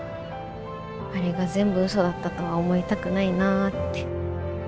あれが全部嘘だったとは思いたくないなぁって。